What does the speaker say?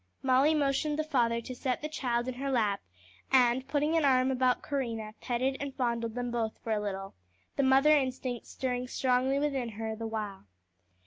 Molly motioned the father to set the child in her lap, and, putting an arm about Corinna, petted and fondled them both for a little, the mother instinct stirring strongly within her the while.